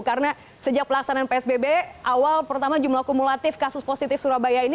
karena sejak pelaksanaan psbb awal pertama jumlah kumulatif kasus positif surabaya ini